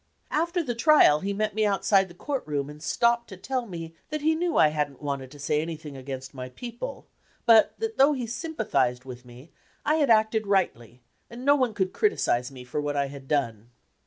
After the trial he met me outside the court room and stopped to tell me that he knew I had n't wanted to say anything against my people, but that though he sympathized with me, I had acted rightly and no one could criticize me for what I had done.